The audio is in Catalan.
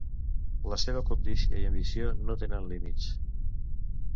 La seva cobdícia i ambició no tenen límits.